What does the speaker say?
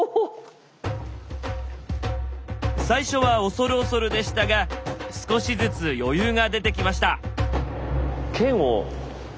最初は恐る恐るでしたが少しずつ余裕が出てきました。